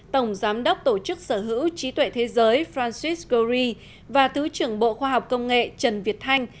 tổng giám đốc tổ chức sở hữu trí tuệ thế giới francis gory và thứ trưởng bộ khoa học công nghệ trần việt thanh